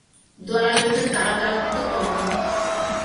தொளவென்று தளதளத்துத் தோன்றும்.